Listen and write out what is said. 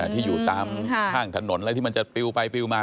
ที่อยู่ตามข้างถนนอะไรที่มันจะปิวไปปิวมา